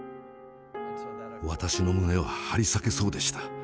私の胸は張り裂けそうでした。